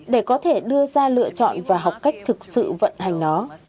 để có thể đưa ra lựa chọn và học cách thực sự vận hành nó